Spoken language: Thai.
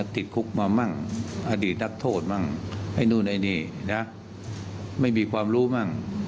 ติดคุกมามั่งอดีตนักโทษมั่งไอ้นู่นไอ้นี่นะไม่มีความรู้มั่ง